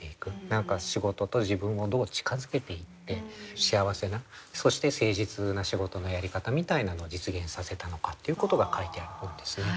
何か仕事と自分をどう近づけていって幸せなそして誠実な仕事のやり方みたいなのを実現させたのかっていうことが書いてある本ですね。